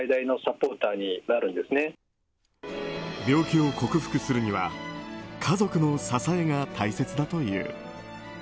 病気を克服するには家族の支えが大切だという。